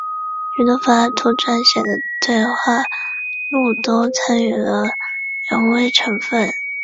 许多柏拉图撰写的对话录都参杂了人为成分。